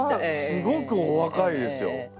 すごくおわかいですよ。